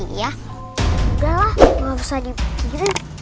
udah lah nggak usah dipikirin